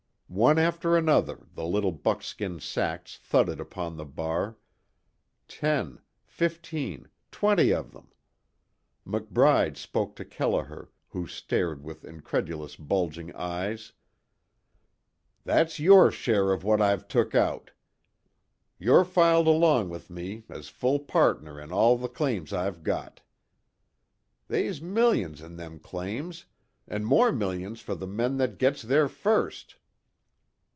One after another the little buckskin sacks thudded upon the bar ten fifteen twenty of them. McBride spoke to Kelliher, who stared with incredulous, bulging eyes: "That's your share of what I've took out. You're filed along with me as full pardner in all the claims I've got. They's millions in them claims an' more millions fer the men that gets there first."